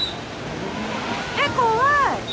えっ、怖い。